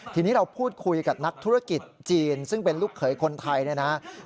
ทีนี้เราพูดคุยกับนักธุรกิจจีนซึ่งเป็นลูกเขยคนไทยเนี่ยนะครับ